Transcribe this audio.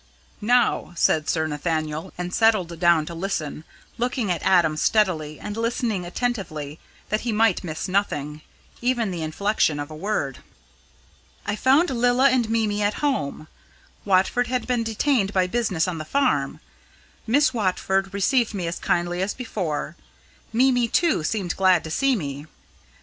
"Now!" said Sir Nathaniel, and settled down to listen, looking at Adam steadily and listening attentively that he might miss nothing even the inflection of a word. "I found Lilla and Mimi at home. Watford had been detained by business on the farm. Miss Watford received me as kindly as before; Mimi, too, seemed glad to see me.